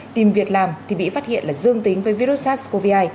tìm việc làm thì bị phát hiện là dương tính với virus sars cov hai